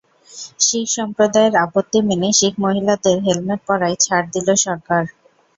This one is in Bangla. শিখ সম্প্রদায়ের আপত্তি মেনে শিখ মহিলাদের হেলমেট পরায় ছাড় দিল সরকার।